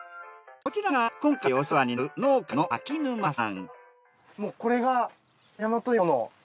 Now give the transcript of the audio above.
こちらが今回お世話になる農家の柿沼さん。